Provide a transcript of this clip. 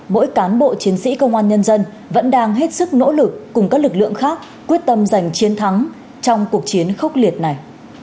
mỗi cán bộ chiến sĩ công an nhân dân vẫn đang hết sức nỗ lực cùng các lực lượng khác quyết tâm giành chiến thắng trong cuộc chiến khốc liệt này